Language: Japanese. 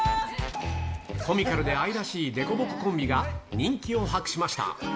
コミカルで愛らしい凸凹コンビが人気を博しました。